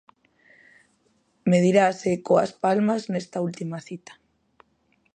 Medirase coas Palmas nesta última cita.